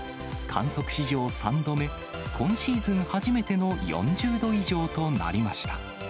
観測史上３度目、今シーズン初めての４０度以上となりました。